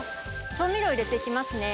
調味料を入れて行きますね。